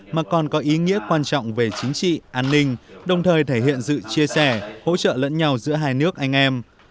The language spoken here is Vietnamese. mà còn có ý nghĩa quan trọng về chính trị an ninh đồng thời thể hiện sự chia sẻ hỗ trợ lẫn nhau giữa hai nước anh em